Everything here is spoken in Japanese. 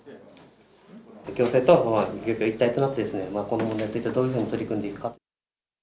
行政と漁協と一体となって、この問題についてどういうふうに取り組んでいくか。